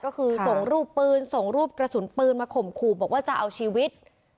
ก็คือส่งรูปปืนส่งรูปกระสุนปืนมาข่มขู่บอกว่าจะเอาชีวิต